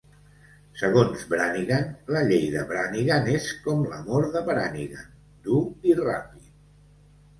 Segons Brannigan, "la Llei de Brannigan és com l'amor de Brannigan: dur i ràpid".